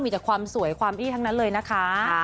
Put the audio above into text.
มีแต่ความสวยความอี้ทั้งนั้นเลยนะคะ